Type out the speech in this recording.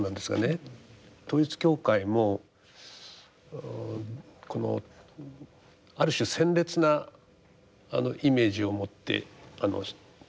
統一教会もこのある種鮮烈なイメージを持って出てきたというか。